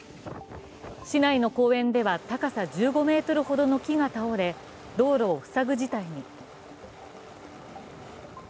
市内の公園では高さ１５ｍほどの木が倒れ、道路を塞ぐ事態に。